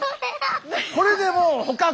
これでもう捕獲。